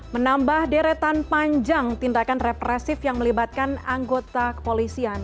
menambah deretan panjang tindakan represif yang melibatkan anggota kepolisian